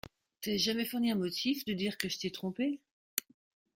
T’ai-je jamais fourni un motif de dire que je t’ai trompée ?